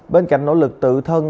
bên cạnh nỗ lực tự thân